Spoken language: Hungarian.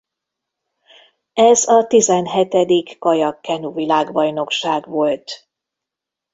Ez a tizenhetedik kajak-kenu világbajnokság volt.